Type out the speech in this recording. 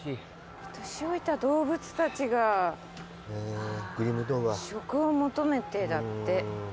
年老いた動物たちが職を求めてだって。